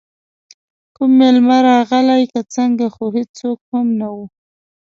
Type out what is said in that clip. کوم میلمه راغلی که څنګه، خو هېڅوک هم نه وو.